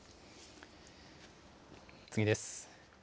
次です。